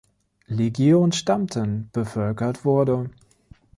Legion stammten, bevölkert wurde.